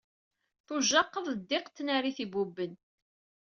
Tujjaqed diq tnarit ibubben.